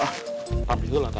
apaan sih lu lata